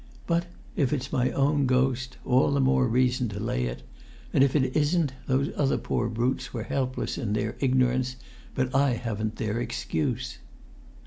But, if it's my own ghost, all the more reason to lay it; and, if it isn't, those other poor brutes were helpless in their ignorance, but I haven't their excuse!"